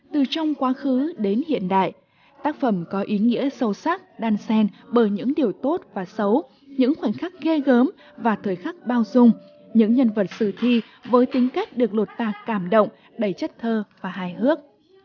từ trong quá khứ đến hiện đại tác phẩm có ý nghĩa sâu sắc đan sen bởi những điều tốt và xấu những khoảnh khắc ghê gớm và thời khắc bao dung những nhân vật sử thi với tính cách được lột tạc cảm động đầy chất thơ và hài hước